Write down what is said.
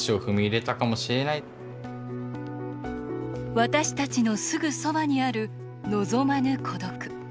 私たちのすぐそばにある望まぬ孤独。